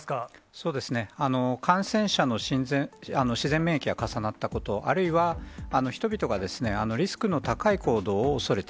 そうですね、感染者の自然免疫が重なったこと、あるいは人々がリスクの高い行動を恐れた。